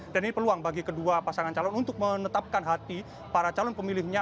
dan ini peluang bagi kedua pasangan calon untuk menetapkan hati para calon pemilihnya